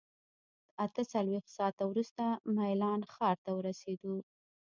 اته څلوېښت ساعته وروسته میلان ښار ته ورسېدو.